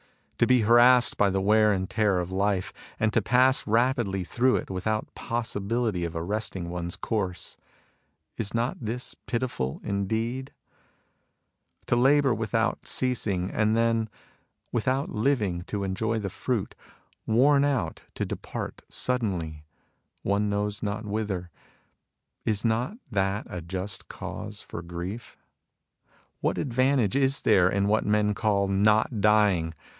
To be harassed by the wear and tear of life, and to pass rapidly through it without possibility of arresting one's course, — is not this pitiful indeed ? To labour without ceasing, and then, without living to enjoy the fruit, worn out, to depart, suddenly, one knows not whither, — is not that a just cause for grief ?" What advantage is there in what men call not dying